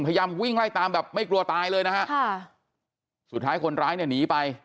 พยายามวิ่งไล่ตามแบบไม่กลัวตายเลยนะฮะค่ะสุดท้ายคนร้ายเนี่ยหนีไป